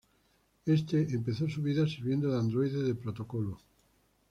Este empezó su "vida" sirviendo de androide de protocolo.